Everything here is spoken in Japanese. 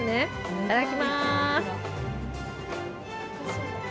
いただきます。